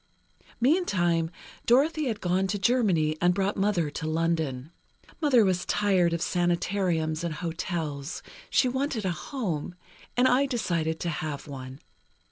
"Meantime, Dorothy had gone to Germany and brought Mother to London. Mother was tired of sanatoriums and hotels. She wanted a home, and I decided to have one.